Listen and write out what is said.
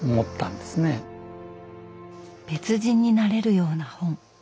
別人になれるような本。